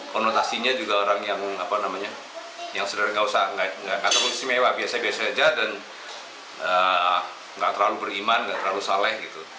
konotasinya juga orang yang sederhana gak usah kata kata semewah biasa biasa saja dan gak terlalu beriman gak terlalu saleh